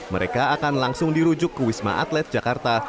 mereka akan langsung dirujuk ke wisma atlet jakarta